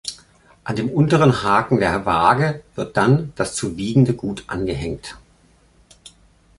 An dem unteren Haken der Waage wird dann das zu wiegende Gut angehängt.